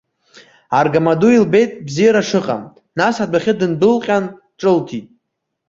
Аргамаду илбеит бзиара шыҟам, нас адәахьы дындәылҟьан, ҿылҭит.